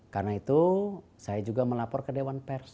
karena itu saya juga melapor ke dewan pers